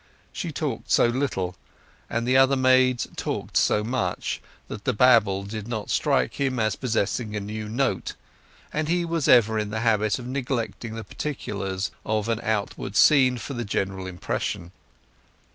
She talked so little, and the other maids talked so much, that the babble did not strike him as possessing a new note, and he was ever in the habit of neglecting the particulars of an outward scene for the general impression.